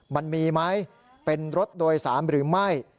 มันมีไหมเป็นรถโดยสารหรือไม่